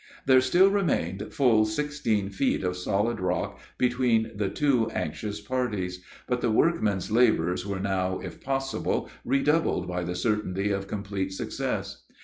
There still remained full sixteen feet of solid rock between the two anxious parties; but the workmen's labors were now, if possible, redoubled by the certainty of complete success.